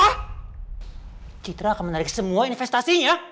nah citra akan menarik semua investasinya